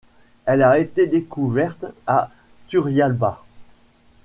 Elle a été découverte à Turrialba.